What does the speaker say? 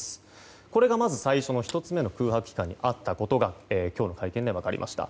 これがまず最初の１つ目の空白期間にあったことが今日の会見で分かりました。